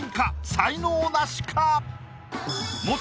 才能ナシか？